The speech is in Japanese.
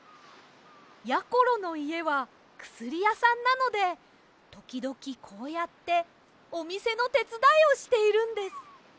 やころのいえはくすりやさんなのでときどきこうやっておみせのてつだいをしているんです。